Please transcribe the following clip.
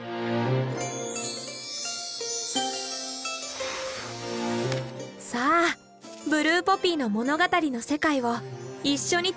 さあブルーポピーの物語の世界を一緒に旅してみましょう。